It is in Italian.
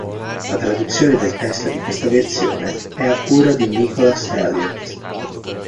La traduzione del testo di questa versione è a cura di Nicholas Elliot.